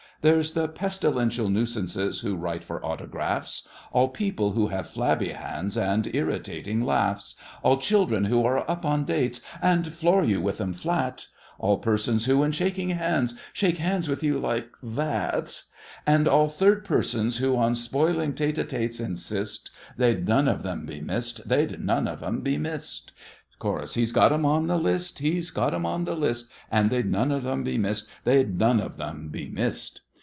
There's the pestilential nuisances who write for autographs— All people who have flabby hands and irritating laughs— All children who are up in dates, and floor you with 'em flat— All persons who in shaking hands, shake hands with you like that— And all third persons who on spoiling tte—ttes insist— They'd none of 'em be missed—they'd none of 'em be missed! CHORUS. He's got 'em on the list—he's got 'em on the list; And they'll none of 'em be missed—they'll none of 'em be missed.